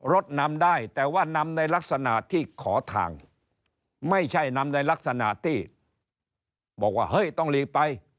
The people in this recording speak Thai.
รถนำได้แต่ว่านำในลักษณะที่ขอทางไม่ใช่นำในลักษณะที่บอกว่าเฮ้ยต้องหลีกไป